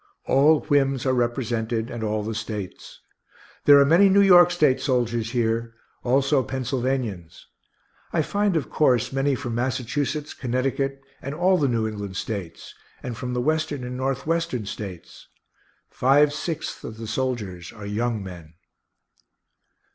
All whims are represented, and all the States. There are many New York State soldiers here; also Pennsylvanians. I find, of course, many from Massachusetts, Connecticut, and all the New England States, and from the Western and Northwestern States. Five sixths of the soldiers are young men.